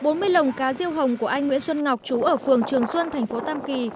bốn mươi lồng cá riêu hồng của anh nguyễn xuân ngọc trú ở phường trường xuân thành phố tam kỳ